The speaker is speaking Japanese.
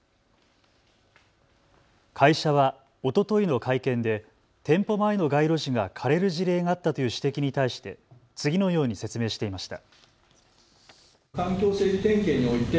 会社はおとといの会見で店舗前の街路樹が枯れる事例があったという指摘に対して次のように説明していました。